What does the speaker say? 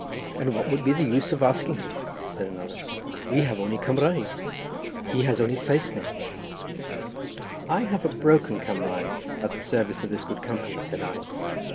"And what would be the use of asking him?" said another, "we have only Cumraeg, and he has only Saesneg." "I have a little broken Cumraeg, at the service of this good company," said I.